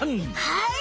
はい！